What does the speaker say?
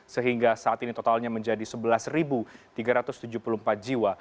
sehingga saat ini totalnya menjadi sebelas tiga ratus tujuh puluh empat jiwa